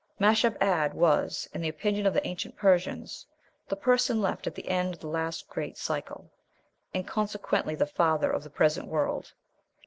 Mashab Ad was, in the opinion of the ancient Persians, the person left at the end of the last great cycle, and consequently the father of the present world.